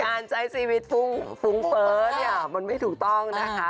การใช้ชีวิตฟุ้งฟุ้งเฟ้อเนี่ยมันไม่ถูกต้องนะคะ